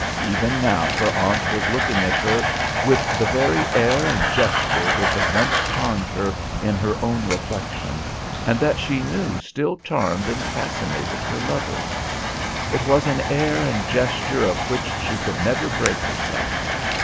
Even now her aunt was looking at her with the very air and gesture which had once charmed her in her own reflection, and that she knew still charmed and fascinated her lover. It was an air and gesture of which she could never break herself.